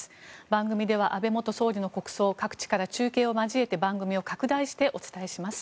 番組では安倍元総理の国葬を各地から中継を交えて番組を拡大してお伝えします。